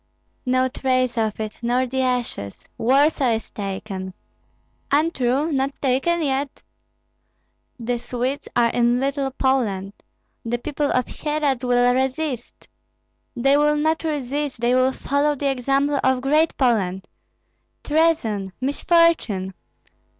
No trace of it, nor the ashes! Warsaw is taken! Untrue, not taken yet! The Swedes are in Little Poland! The people of Syeradz will resist! They will not resist, they will follow the example of Great Poland! Treason! misfortune!